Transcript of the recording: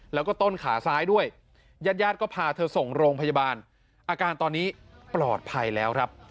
แล้วก็ต้นขาซ้ายด้วยญาติญาติก็พาเธอส่งโรงพยาบาลอาการตอนนี้ปลอดภัยแล้วครับ